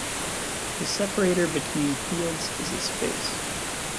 The separator between fields is a space.